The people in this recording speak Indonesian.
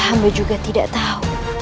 hamba juga tidak tahu